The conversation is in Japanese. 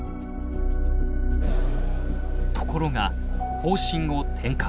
ところが方針を転換。